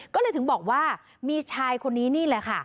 ก็เลยถึงบอกว่ามีชายคนนี้นี่แหละค่ะ